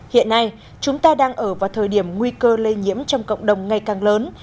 hiện nay chúng ta đang ở vào thời điểm nguy cơ lây nhiễm trong cộng đồng ngày càng lớn